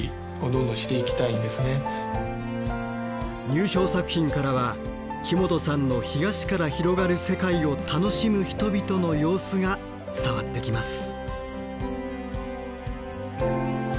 入賞作品からは木本さんの干菓子から広がる世界を楽しむ人々の様子が伝わってきます。